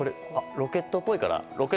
ロケットっぽいから。